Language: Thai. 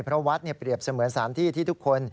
เพราะวัดเปรียบเสมือนสารที่ที่ทุกคน